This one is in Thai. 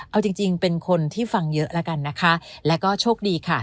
เอาจริงเป็นคนที่ฟังเยอะแล้วแล้วก็โชคดีค่ะ